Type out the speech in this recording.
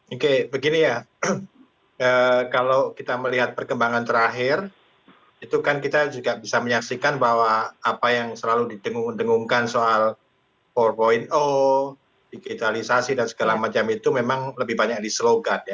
oke begini ya kalau kita melihat perkembangan terakhir itu kan kita juga bisa menyaksikan bahwa apa yang selalu didengung dengungkan soal empat digitalisasi dan segala macam itu memang lebih banyak di slogan ya